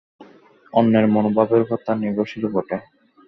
অন্যের মনোভাবের উপর তা নির্ভরশীলও বটে।